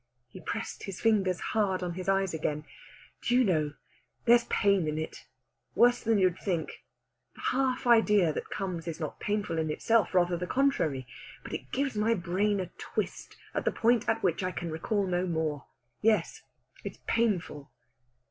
He pressed his fingers hard on his eyes again. "Do you know, there's pain in it worse than you'd think! The half idea that comes is not painful in itself rather the contrary but it gives my brain a twist at the point at which I can recall no more. Yes, it's painful!"